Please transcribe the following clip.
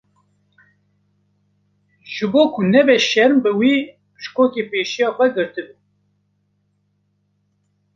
Ji bo ku nebe şerm bi wê bişkokê pêşiya xwe girtibû.